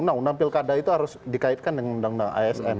undang undang pilkada itu harus dikaitkan dengan undang undang asn